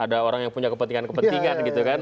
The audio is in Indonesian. ada orang yang punya kepentingan kepentingan gitu kan